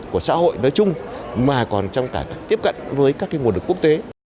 của xã hội nói chung mà còn trong cả tiếp cận với các nguồn lực quốc tế